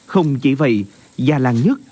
không chỉ vậy alan nhất